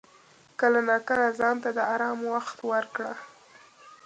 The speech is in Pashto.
کله ناکله ځان ته د آرام وخت ورکړه.